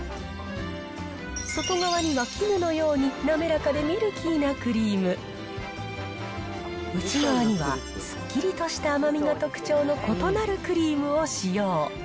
外側には絹のように滑らかでミルキーなクリーム、内側にはすっきりとした甘みが特徴の異なるクリームを使用。